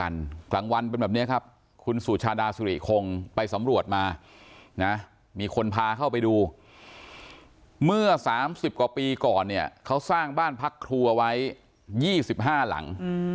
นะมีคนพาเข้าไปดูเมื่อสามสิบกว่าปีก่อนเนี่ยเขาสร้างบ้านพักครูเอาไว้ยี่สิบห้าหลัง